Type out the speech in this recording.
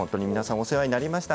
お世話になりました。